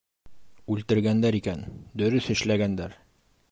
Үлтергәндәр икән, дөрөҫ эшләгәндәр!